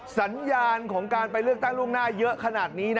สัญญาณของการไปเลือกตั้งล่วงหน้าเยอะขนาดนี้นะ